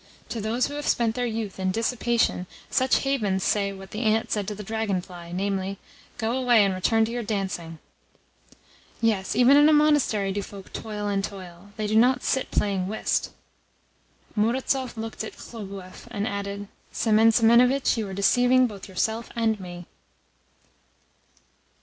To those who have spent their youth in dissipation such havens say what the ant said to the dragonfly namely, 'Go you away, and return to your dancing.' Yes, even in a monastery do folk toil and toil they do not sit playing whist." Murazov looked at Khlobuev, and added: "Semen Semenovitch, you are deceiving both yourself and me."